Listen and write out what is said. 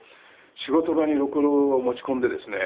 仕事場にろくろを持ち込んでですね